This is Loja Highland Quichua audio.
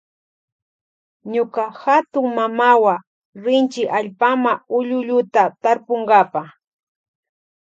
Ñuka hatunmamawa rinchi allpama ullulluta tarpunkapa.